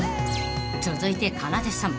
［続いてかなでさん］